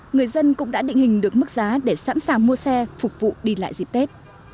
người dân cũng đã định hình được mức giá để sẵn sàng mua xe phục vụ đi lại dịp tết